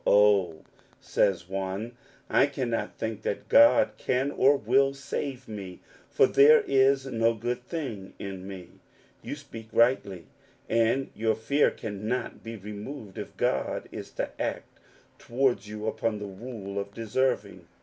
" Oh," says one, " I cannot think that God can or will save me, for there is no good thing in me !" You speak rightly, and your fear cannot be removed if God is to act towards you upon the rule of deserving.